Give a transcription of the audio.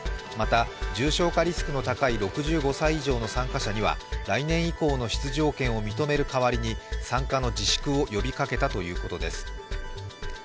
また重症化リスクの高い６５歳以上の参加者には来年以降の出場権を認める代わりに参加の自粛を呼びかけたということです。